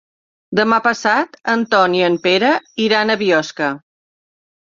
Demà passat en Ton i en Pere iran a Biosca.